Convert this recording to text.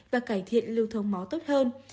và cải thiện lưu thông máu tốt hơn